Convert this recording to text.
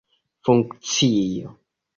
funkcio